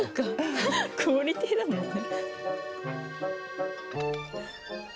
クオリティーだもんね。